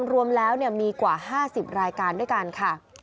รวมแล้วมีกว่า๕๐รายการด้วยกันค่ะ